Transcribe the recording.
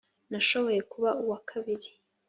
Nashoboye kuba uwa kabiri